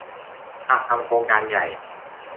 หากทำโครงการใหญ่